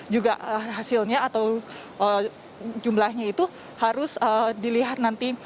juga hasilnya atau jumlahnya itu harus dilihat nanti